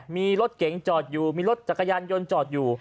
มีรถเก๋งจอดอยู่มีรถจักรยานยนต์จอดอยู่